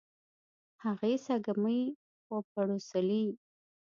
هغې سږمې وپړسولې.